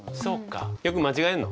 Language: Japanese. よく間違えるの？